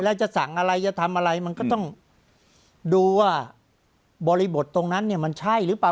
แล้วจะสั่งอะไรจะทำอะไรมันก็ต้องดูว่าบริบทตรงนั้นเนี่ยมันใช่หรือเปล่า